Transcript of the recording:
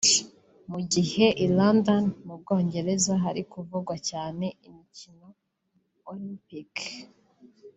Mu gihe i London mu Bwongereza hari kuvugwa cyane imikino Olimpiki